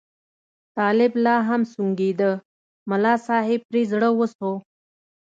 طالب لا هم سونګېده، ملا صاحب پرې زړه وسو.